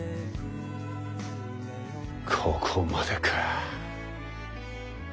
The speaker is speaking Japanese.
ここまでか。